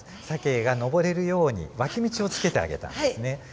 サケが上れるように脇道を付けてあげたんですね。